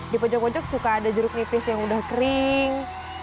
di pojok pojok suka ada jeruk nipis yang udah kering